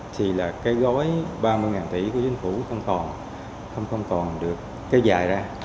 thì là cái gối ba mươi tỷ của chính phủ không còn không còn được cái dài ra